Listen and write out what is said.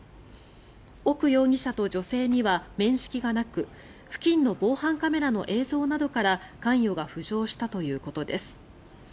奥容疑者と女性には面識がなく付近の防犯カメラの映像などから関与が浮上したということです。